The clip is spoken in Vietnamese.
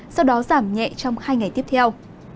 sau đó giảm nhẹ trong hai ngày tiếp theo